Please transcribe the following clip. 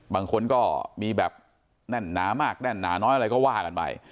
บางคนก็มีแบบแน่นหนามากแน่นหนาน้อยอะไรก็ว่ากันไป